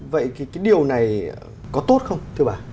vậy cái điều này có tốt không thưa bà